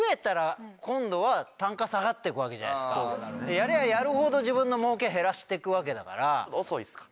やりゃあやるほど自分の儲け減らしてくわけだから。